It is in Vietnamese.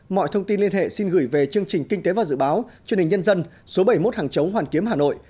mọi thông tin liên hệ xin gửi về chương trình kinh tế và dự báo truyền hình nhân dân số bảy mươi một hàng chống hoàn kiếm hà nội